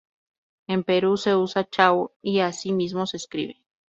En Perú se usa Chau y así mismo se escribe.